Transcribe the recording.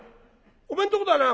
おめえんとこだな